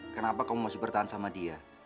kenapa kamu masih bertahan sama dia